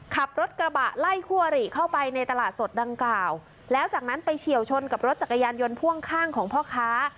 ขับรถกระบะไล่คั่วหรี่เข้าไปในตลาดสดดังกล่าวแล้วจากนั้นไปเฉียวชนกับรถจักรยานยนต์พ่วงข้างของพ่อค้า